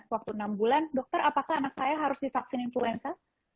waktu enam bulan dokter apakah anak saya harus divaksin influenza